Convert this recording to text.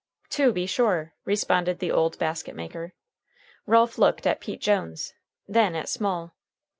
"To be sure," responded the old basket maker. Ralph looked at Pete Jones, then at Small.